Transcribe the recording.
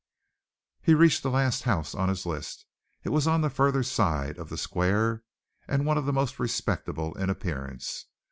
He reached the last house on his list. It was on the further side of the square, and one of the most respectable in appearance.